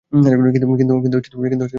কিন্তু অনেক কাজ পড়ে আছে।